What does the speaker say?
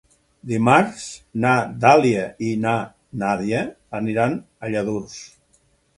Dimarts na Dàlia i na Nàdia aniran a Lladurs.